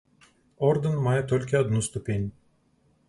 Ордэн мае толькі адну ступень.